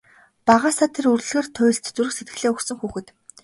Багаасаа тэр үлгэр туульст зүрх сэтгэлээ өгсөн хүүхэд.